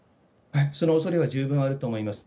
その恐れは十分あると思います。